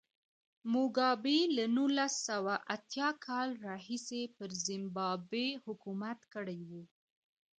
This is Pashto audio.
موګابي له نولس سوه اتیا کال راهیسې پر زیمبابوې حکومت کړی و.